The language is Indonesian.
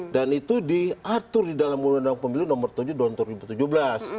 dan itu diatur di dalam undang undang pemilu nomor tujuh donta dua ribu tujuh belas